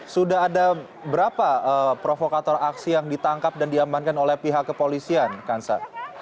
sudah ada berapa provokator aksi yang ditangkap dan diamankan oleh pihak kepolisian kanser